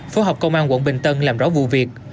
phố học công an quận bình tân làm rõ vụ việc